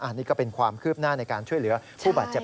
อันนี้ก็เป็นความคืบหน้าในการช่วยเหลือผู้บาดเจ็บ